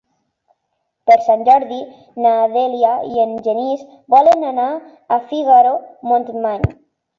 Per Sant Jordi na Dèlia i en Genís volen anar a Figaró-Montmany.